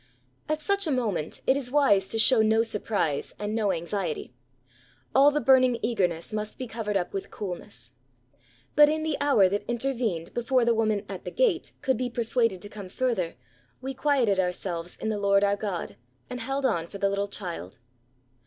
At such a moment it is wise to show no surprise and no anxiety. All the burning eagerness must be covered up with coolness. But in the hour that intervened before the woman "at the gate" could be persuaded to come further, we quieted ourselves in the Lord our God and held on for the little child.